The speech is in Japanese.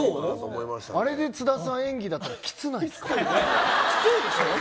あれで津田さん演技だったらきつないですか？